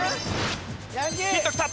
ヒントきた！